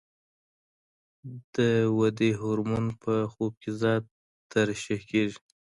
د ودې هورمون په خوب کې زیات ترشح کېږي.